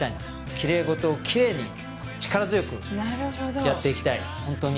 きれい事をきれいに力強くやっていきたいホントに